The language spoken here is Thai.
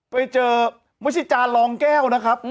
ไปเจอไม่ใช่จานรองแก้วนะครับ